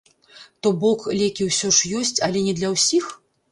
То бок, лекі ўсё ж ёсць, але не для ўсіх?